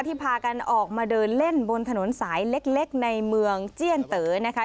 พากันออกมาเดินเล่นบนถนนสายเล็กในเมืองเจียนเต๋อนะคะ